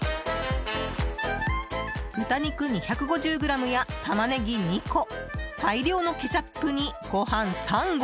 豚肉２５０ｇやタマネギ２個大量のケチャップに、ご飯３合。